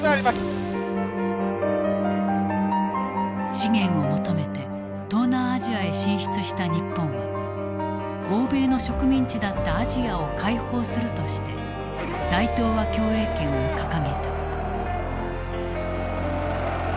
資源を求めて東南アジアへ進出した日本は欧米の植民地だったアジアを解放するとして大東亜共栄圏を掲げた。